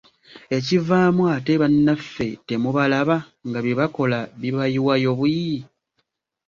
Ekivaamu ate bannaffe temubalaba nga bye bakola bibayiwayo buyiyi.